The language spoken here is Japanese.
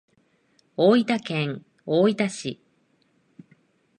大分県大分市